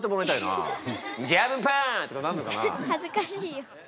はずかしいよ。